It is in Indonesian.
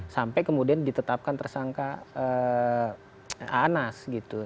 sampai kemudian ditetapkan tersangka anas gitu